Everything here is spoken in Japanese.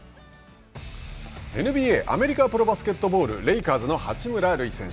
ＮＢＡ＝アメリカプロバスケットボールレイカーズの八村塁選手。